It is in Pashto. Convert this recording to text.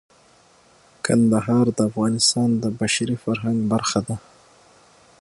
کندهار د افغانستان د بشري فرهنګ برخه ده.